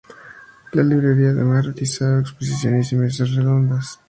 La librería además realizaba exposiciones y mesas redondas.